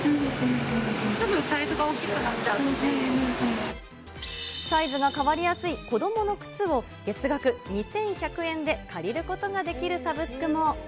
すぐサイズが大きくなっちゃうのサイズが変わりやすい子どもの靴を、月額２１００円で借りることができるサブスクも。